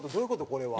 これは。